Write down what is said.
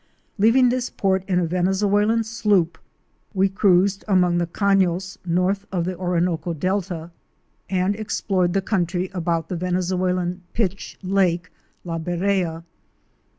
Leaving this port in a Venezuelan sloop we cruised among the cafios north of the 1x x PREFACE. Orinoco Delta, and explored the country about the Vene zuelan Pitch Lake — La Brea.